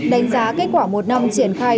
đánh giá kết quả một năm triển khai